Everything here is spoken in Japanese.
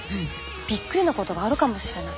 びっくりなこともあるかもしれない。